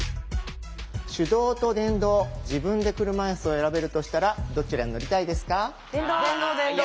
手動と電動自分で車いすを選べるとしたらどちらに乗りたいですか？